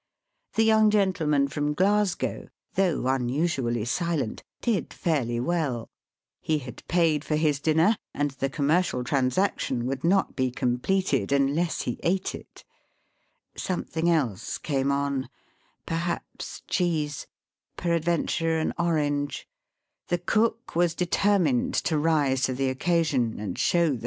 The young gentleman from Glasgow, though un usually silent, did fairly well. He had paid for his dinner, and the commercial transaction would not be completed unless he ate it. Something else came on — perhaps cheese, peradventure an orange. The cook was de termined to rise to the occasion and show the Digitized by VjOOQIC BY SEA AND LAND TO KIOTO.